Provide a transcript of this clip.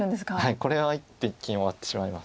これは一気に終わってしまいます。